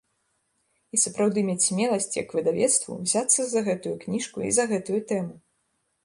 І сапраўды мець смеласць, як выдавецтву, узяцца за гэтую кніжку і за гэтую тэму.